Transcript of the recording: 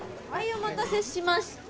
お待たせしました。